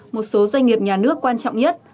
một số doanh nghiệp nhà nước quan trọng nhất